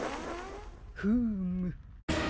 フーム。